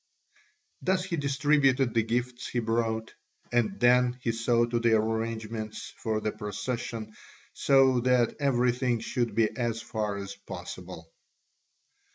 Thus he distributed the gifts he brought, and then he saw to the arrangements for the procession so that everything should be as far as possible.